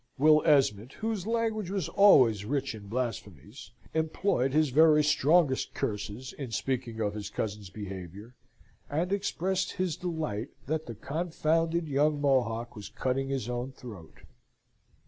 Will Esmond, whose language was always rich in blasphemies, employed his very strongest curses in speaking of his cousin's behaviour, and expressed his delight that the confounded young Mohock was cutting his own throat.